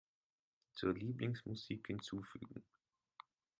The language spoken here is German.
Zur Lieblingsmusik hinzufügen.